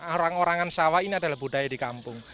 orang orangan sawah ini adalah budaya di kampung